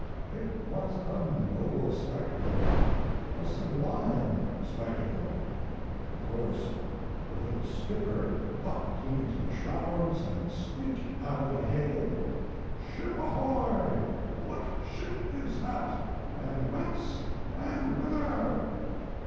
It was a noble spectacle, a sublime spectacle! Of course the little skipper popped into the shrouds and squeaked out a hail, "Ship ahoy! What ship is that? And whence and whither?"